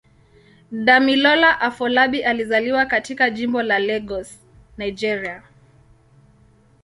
Damilola Afolabi alizaliwa katika Jimbo la Lagos, Nigeria.